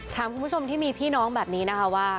ถามคุณผู้ชมที่มีพี่น้องแบบนี้นะคะว่า